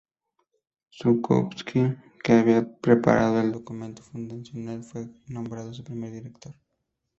Zhukovski, que había preparado el documento fundacional, fue nombrado su primer director.